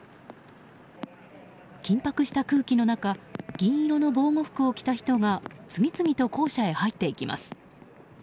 緊迫した空気の中銀色の防護服を着た人が次々と校舎へ入っていきます。